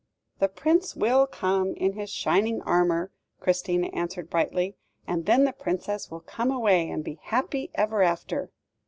"The Prince will come in his shining armour," Christina answered brightly; "and then the Princess will come away, and be happy ever after."